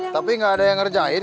tapi nggak ada yang ngerjain